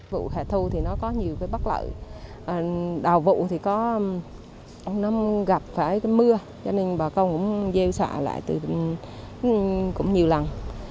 vụ hẻ thu thì nó có nhiều cái bất lợi đào vụ thì nó gặp cái mưa cho nên bà con cũng gieo xạ lại cũng nhiều lần